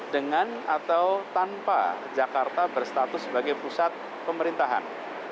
dengan atau tanpa jakarta berstatus sebagai pusat pemerintahan